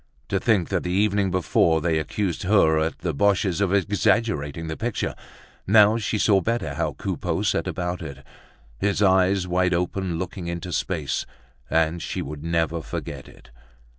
To think that the evening before they accused her at the Boches' of exaggerating the picture! Now she saw better how Coupeau set about it, his eyes wide open looking into space, and she would never forget it.